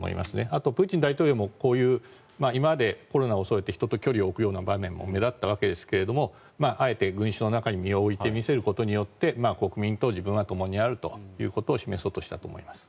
あと、プーチン大統領もこういう今までコロナを恐れて人と距離を置くような場面も目立ったわけですがあえて群衆の中に身を置いてみせることによって国民と自分はともにあるということを示そうとしたと思います。